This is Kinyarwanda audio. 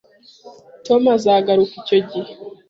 Tom azagaruka icyo gihe